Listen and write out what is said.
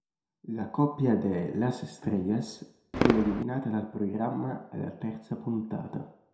La coppia de las Estrellas viene eliminata dal programma alla terza puntata.